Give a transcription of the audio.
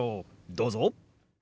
どうぞ。